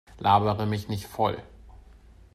Labere mich nicht voll.